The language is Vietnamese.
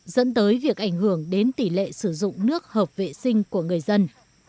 dẫn tới việc ảnh hưởng đến tỷ lệ sử dụng nước hợp vệ sinh của người dân